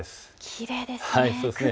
きれいですね。